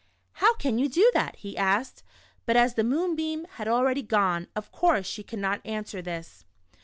" How can you do that? " he asked, but as the moonbeam had already gone, of course she could not answer this.